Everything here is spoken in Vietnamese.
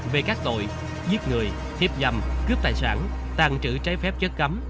về các tội giết người thiếp giam cướp tài sản tàn trữ trái phép chất cấm